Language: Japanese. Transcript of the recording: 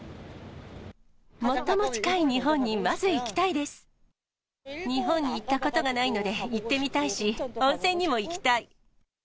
最も近い日本にまず行きたい日本に行ったことがないので、行ってみたいし、温泉にも行きたい。